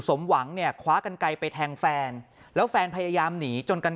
สมหวังเนี่ยคว้ากันไกลไปแทงแฟนแล้วแฟนพยายามหนีจนกัน